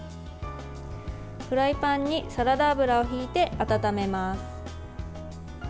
フライパンにサラダ油をひいて温めます。